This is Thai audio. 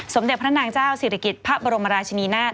สมเด็จพระนางเจ้าศิริกิจพระบรมราชินีนาฏ